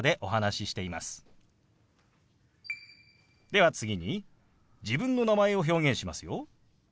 では次に自分の名前を表現しますよ。